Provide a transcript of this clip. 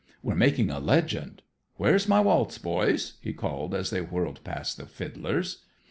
We're making a legend. Where's my waltz, boys?" he called as they whirled past the fiddlers.